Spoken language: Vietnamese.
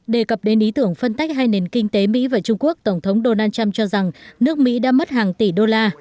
đề cập đến ý tưởng phân tách hai nền kinh tế mỹ và trung quốc tổng thống donald trump cho rằng nước mỹ đã mất hàng tỷ đô la